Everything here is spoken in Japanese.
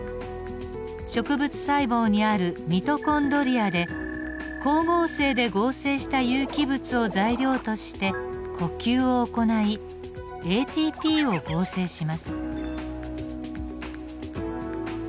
植物細胞にあるミトコンドリアで光合成で合成した有機物を材料として呼吸を行いＡＴＰを合成します。